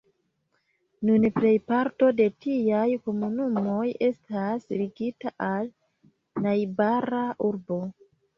Nun plejparto de tiaj komunumoj estas ligita al najbara urbo.